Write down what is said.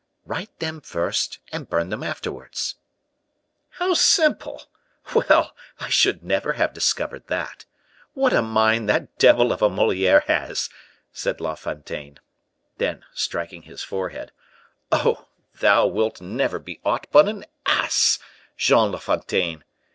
"Write them first and burn them afterwards." "How simple! Well, I should never have discovered that. What a mind that devil of a Moliere has!" said La Fontaine. Then, striking his forehead, "Oh, thou wilt never be aught but an ass, Jean La Fontaine!"